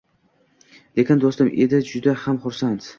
Lekin do‘stim edi juda ham xursand